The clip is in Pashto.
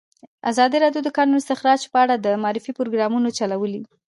ازادي راډیو د د کانونو استخراج په اړه د معارفې پروګرامونه چلولي.